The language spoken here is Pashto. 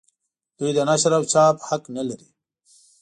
دوی د نشر او چاپ حق نه لري.